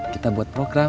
kita buat program